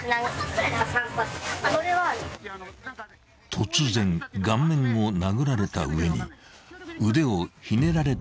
［突然顔面を殴られた上に腕をひねられたという被害男性］